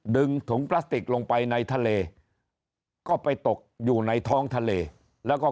ดึงถุงพลาสติกลงไปในทะเลก็ไปตกอยู่ในท้องทะเลแล้วก็